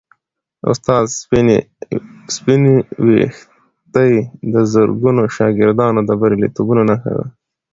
د استاد سپینې ویښتې د زرګونو شاګردانو د بریالیتوبونو نښه ده.